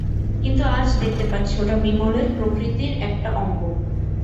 কিন্তু, আজ দেখতে পাচ্ছি ওটা বিমলের প্রকৃতির একটা অঙ্গ।